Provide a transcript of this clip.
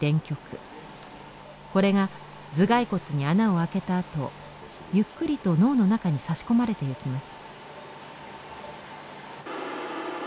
これが頭蓋骨に穴をあけたあとゆっくりと脳の中に差し込まれていきます。